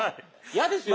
嫌ですよ